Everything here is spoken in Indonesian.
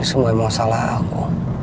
ini semuanya peuxalah aku